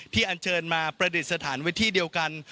ที่อันเชิญมาประเด็นสถานวิธีเดียวกัน